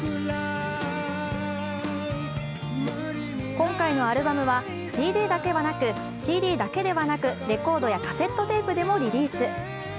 今回のアルバムはＣＤだけではなく、レコードやカセットテープでもリリース。